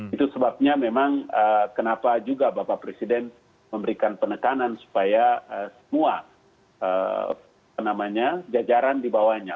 itu sebabnya memang kenapa juga bapak presiden memberikan penekanan supaya semua jajaran di bawahnya